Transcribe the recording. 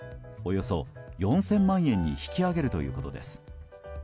およそ４０００万円に引き上げるということです。